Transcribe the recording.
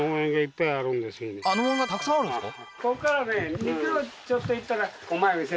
あっ農園がたくさんあるんですか？